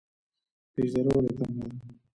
پیج دره ولې تنګه ده؟